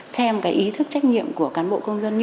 xem cái ý thức trách nhiệm của cán bộ công dân